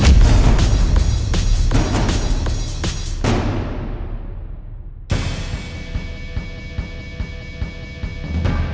dia harus tau kebenerannya gue